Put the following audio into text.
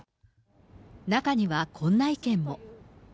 中にはこんな意見も。